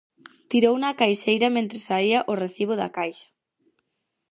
Tirouna a caixeira mentres saía o recibo da caixa.